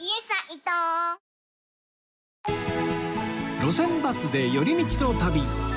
『路線バスで寄り道の旅』